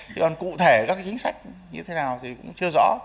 chứ còn cụ thể các cái chính sách như thế nào thì cũng chưa rõ